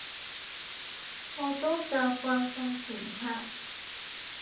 我都習慣睡前刷